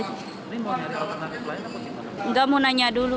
tidak mau nanya dulu